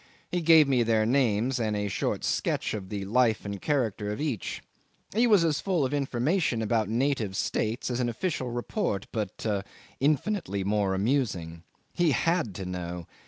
He gave me their names and a short sketch of the life and character of each. He was as full of information about native states as an official report, but infinitely more amusing. He had to know.